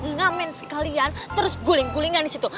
ngemen sekalian terus guling gulingan disitu